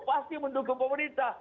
pasti mendukung pemerintah